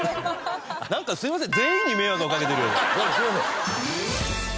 なんかすいません。